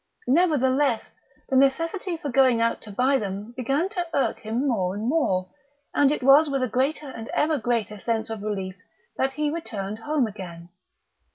Nevertheless, the necessity for going out to buy them began to irk him more and more, and it was with a greater and ever greater sense of relief that he returned home again.